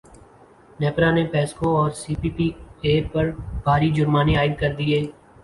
نیپرا نے پیسکو اور سی پی پی اے پر بھاری جرمانے عائد کردیے